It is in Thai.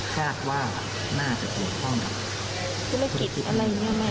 ธุรกิจอะไรอย่างนี้แหละ